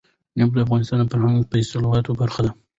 نفت د افغانستان د فرهنګي فستیوالونو برخه ده.